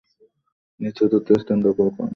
তিনি চতুর্থ স্থান দখল করেন।